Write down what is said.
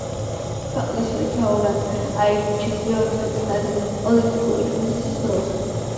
ქვეყნის მეთაურად აირჩიეს მეოთხე ცდაზე პოლიტიკური კრიზისის დროს.